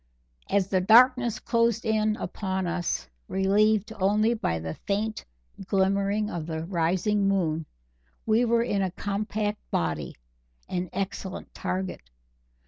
As the darkness closed in upon us, relieved only by the faint glimmering of the rising moon, we were in a compact body an excellent target.